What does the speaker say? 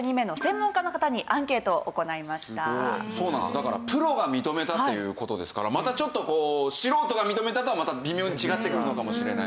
だからプロが認めたという事ですからまたちょっとこう素人が認めたとはまた微妙に違ってくるのかもしれないですよね。